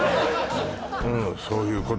うんそういうこと